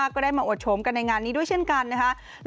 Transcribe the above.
ก็ได้มาอวดโฉมกันในงานนี้ด้วยเช่นกันนะคะ